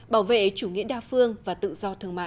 bảo vệ chủ nghĩa đa phương và tự do thương mại